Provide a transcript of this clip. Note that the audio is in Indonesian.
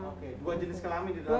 oke dua jenis kelamin